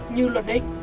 như luật định